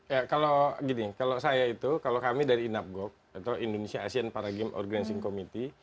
ya kalau gini kalau saya itu kalau kami dari inapgok atau indonesia asean para games organizing committee